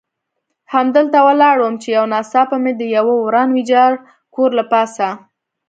همدلته ولاړ وم، چې یو ناڅاپه مې د یوه وران ویجاړ کور له پاسه.